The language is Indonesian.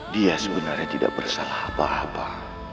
dia sebenarnya tidak bersalah apa apa